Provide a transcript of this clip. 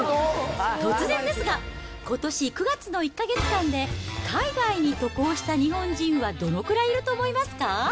突然ですが、ことし９月の１か月間で、海外に渡航した日本人はどのくらいいると思いますか？